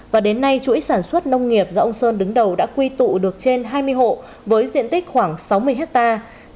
và đến nay chuỗi sản xuất nông nghiệp do ông sơn đứng đầu đã quy tụ được trên hai mươi hộ với diện tích khoảng sáu mươi hectare